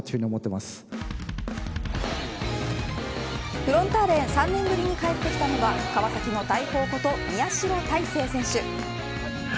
フロンターレへ３年ぶりに帰ってきたのは川崎の大砲こと、宮代大聖選手。